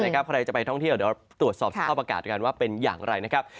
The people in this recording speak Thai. ใครจะไปท่องเที่ยวเดี๋ยวตรวจสอบสภาพอากาศกันว่าเป็นอย่างไรนะครับ